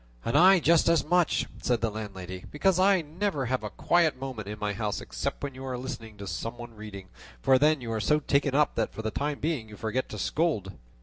"And I just as much," said the landlady, "because I never have a quiet moment in my house except when you are listening to some one reading; for then you are so taken up that for the time being you forget to scold."